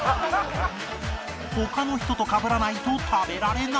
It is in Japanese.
他の人とかぶらないと食べられない